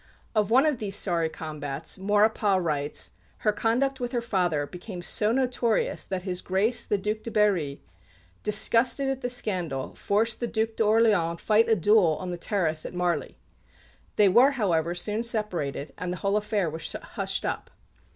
Of one of these sorry combats, Maurepas writes, "Her conduct with her father became so notorious that His Grace the Duc de Berry, disgusted at the scandal, forced the Duc d'Orléans to fight a duel on the terrace at Marly. They were, however, soon separated, and the whole affair was hushed up."